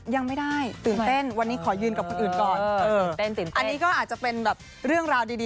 ยังไม่คุ้นชินกับบรรยากาศนะครับ